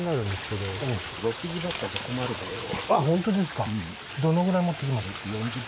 どのぐらい持っていきます？